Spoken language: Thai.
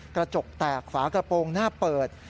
กระจกแตกฝากระโปรงหน้าเปิด